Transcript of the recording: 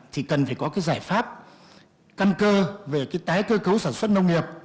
thì cần phải có cái giải pháp căn cơ về cái tái cơ cấu sản xuất nông nghiệp